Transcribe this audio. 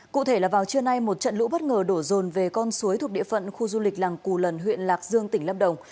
cụ thể là vào trưa nay một trận lũ bất ngờ đổ rồn về con suối thuộc địa phận khu du lịch làng cù lần huyện lạc dương tỉnh lâm đồng